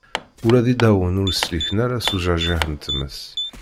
Ula d iddawen ur sliken ara seg ujajiḥ n tmes